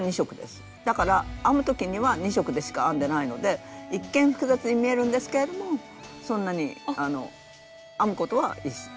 だから編む時には２色でしか編んでないので一見複雑に見えるんですけれどもそんなに編むことは。